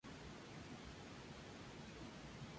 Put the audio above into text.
Ambos pilotos y los cinco pasajeros murieron.